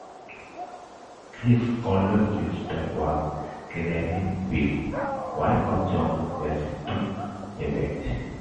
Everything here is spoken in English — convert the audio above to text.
His older sister was Katherine Weeks, wife of John Washington Davidge.